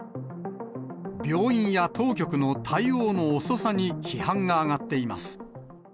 病院や当局の対応の遅さに批判が上がっています。